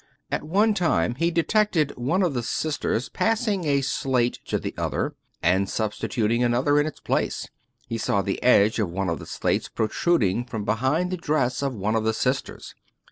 At one time he detected one of the sisters passing a slate to the other, and substituting another in its place. He saw the edge of one of the slates protruding from behind the dress of one of the sisters.